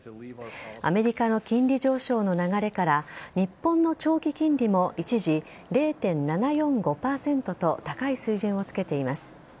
アメリカの金利上昇の流れから日本の長期金利も一時０．７４５％と高い水準を付けています。